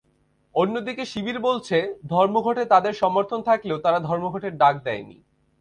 অন্যদিকে শিবির বলছে, ধর্মঘটে তাদের সমর্থন থাকলেও তারা ধর্মঘটের ডাক দেয়নি।